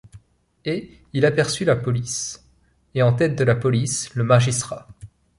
Et il aperçut la police, et en tête de la police le magistrat.